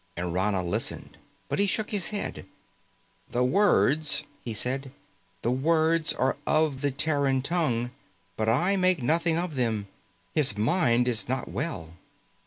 Nrana listened, but he shook his head. "The words," he said, "the words are of the Terran tongue, but I make nothing of them. His mind is not well."